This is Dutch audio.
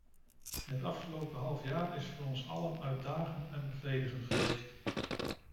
Het afgelopen halfjaar is voor ons allen uitdagend en bevredigend geweest.